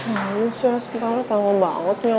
masya allah sementara tangan banget nyantainya